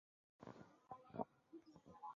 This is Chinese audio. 旋灰蝶属是灰蝶科眼灰蝶亚科中的一个属。